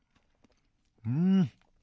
うん！